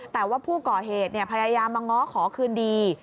แต่ว่าผู้ก่อเหตุพยายามมาง้อขอคืนดี